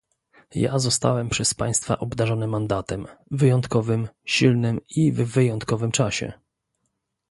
Ja zostałem przez państwa obdarzony mandatem, wyjątkowym, silnym i w wyjątkowym czasie